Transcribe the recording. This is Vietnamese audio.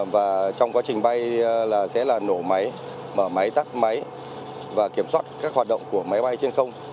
và trong quá trình bay là sẽ là nổ máy mở máy tắt máy và kiểm soát các hoạt động của máy bay trên không